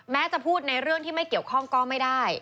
จะพูดในเรื่องที่ไม่เกี่ยวข้องก็ไม่ได้